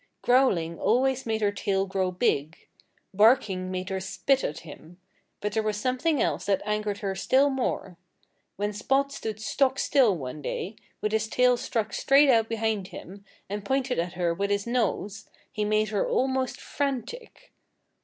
Growling always made her tail grow big. Barking made her spit at him. But there was something else that angered her still more. When Spot stood stock still one day, with his tail stuck straight out behind him, and pointed at her with his nose, he made her almost frantic.